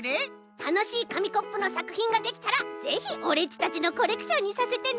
たのしいかみコップのさくひんができたらぜひオレっちたちのコレクションにさせてね。